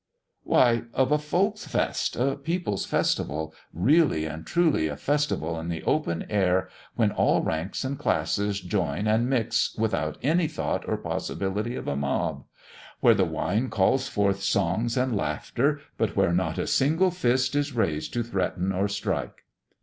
"Why, of a Volksfest, a people's festival, really and truly a festival in the open air, when all ranks and classes join and mix without any thought or possibility of a mob; where the wine calls forth songs and laughter, but where not a single fist is raised to threaten or strike."